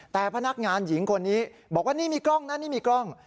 แต่พนักงานหญิงคนนี้บอกว่านี่มีกล้องนะนี่มีกล้อง